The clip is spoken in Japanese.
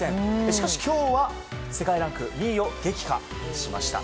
しかし今日は世界ランク２位を撃破しました。